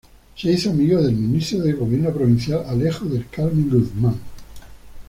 Se hizo amigo del ministro de gobierno provincial, Alejo del Carmen Guzmán.